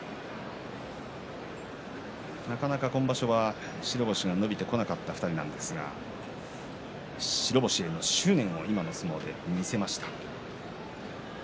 なかなか今場所は白星が伸びてこなかった２人ですが白星への執念を今の相撲で見せました。